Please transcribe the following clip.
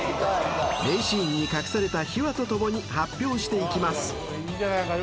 ［名シーンに隠された秘話と共に発表していきます］